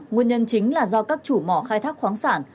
nguyên nhân chính là do các chủ mỏ khai thác khoáng sản